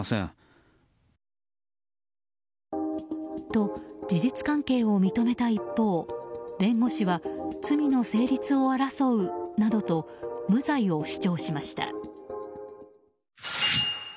と、事実関係を認めた一方弁護士は、罪の成立を争うなどと無罪を主張しました。